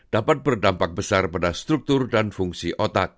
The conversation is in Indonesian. dapat berdampak besar pada struktur dan fungsi otak